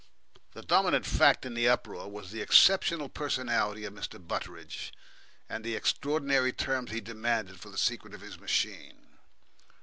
The dominant fact in the uproar was the exceptional personality of Mr. Butteridge, and the extraordinary terms he demanded for the secret of his machine.